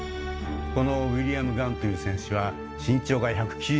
このウィリアム・ガンという選手は身長が１９０ｃｍ近くあった。